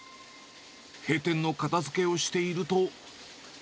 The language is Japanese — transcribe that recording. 閉店の片づけをしていると。